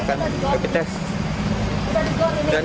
kota bogor mencapai dua puluh dua orang